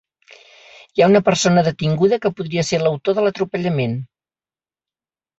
Hi ha una persona detinguda que podria ser l’autor de l’atropellament.